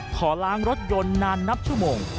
ขอล้างรถยนต์นานนับชั่วโมง